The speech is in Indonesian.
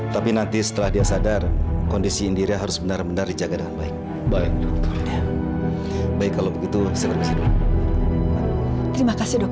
terima kasih dokter terima kasih